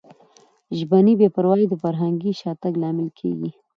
ژبني بې پروایي د فرهنګي شاتګ لامل کیږي.